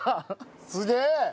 すげえ。